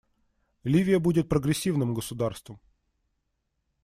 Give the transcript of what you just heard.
Ливия будет прогрессивным государством.